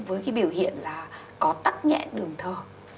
với cái biểu hiện là có tắc nhẹ đường thở